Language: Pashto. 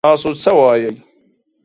تاسو څه وايي ؟